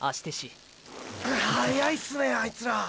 速いっすねーあいつら。